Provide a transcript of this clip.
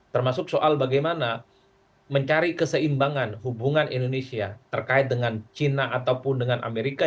termasuk soal bagaimana mencari keseimbangan hubungan indonesia terkait dengan china ataupun dengan amerika